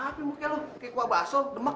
kenapa muka lo kayak kuah baso demak